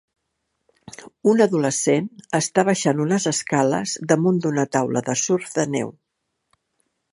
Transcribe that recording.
Un adolescent està baixant unes escales damunt d'una taula de surf de neu.